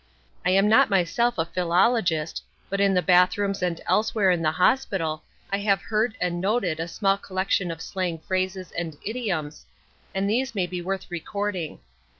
I am not myself a philologist, but in the bathrooms and elsewhere in the hospital I have heard and noted a small collection of slang phrases and idioms, and these may be worth recording.